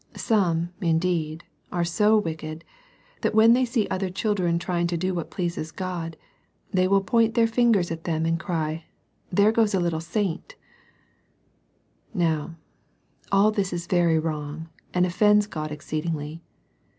Some, indeed, are so wicked, that when they see other children trying to do what pleases God, they will point their fingers at them, and cry, —" There goes a little saint, ^'^ Now, all this is very wrong, and oiFends God exceedingly.